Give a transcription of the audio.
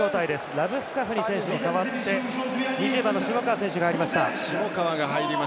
ラブスカフニ選手に代わって下川が入りました。